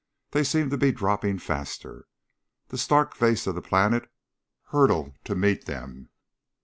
They seemed to be dropping faster. The stark face of the planet hurtled to meet them.